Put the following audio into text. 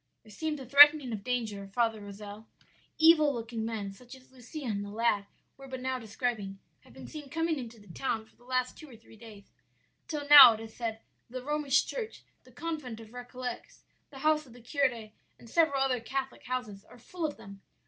"'There seems a threatening of danger, Father Rozel; evil looking men, such as Lucia and the lad were but now describing, have been seen coming into the town for the last two or three days; till now, it is said, the Romish church, the convent of Récollets, the house of the curé, and several other Catholic houses are full of them.